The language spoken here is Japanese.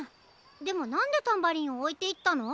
でもなんでタンバリンをおいていったの？